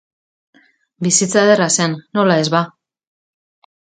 Bizitza ederra zen, nola ez ba.